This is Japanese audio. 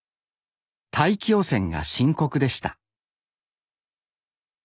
大気汚染が深刻でした。